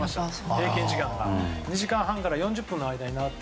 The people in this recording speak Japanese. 平均時間が２時間半から４０分の間になって。